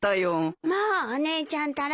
もうお姉ちゃんったら。